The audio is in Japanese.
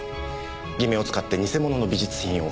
偽名を使って偽物の美術品を売る。